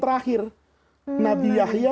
terakhir nabi yahya